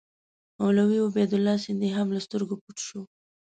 مولوي عبیدالله سندي هم له سترګو پټ شو.